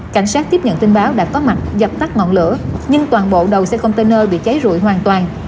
cảnh sát tiếp nhận tin báo đã có mặt dập tắt ngọn lửa nhưng toàn bộ đầu xe container bị cháy rụi hoàn toàn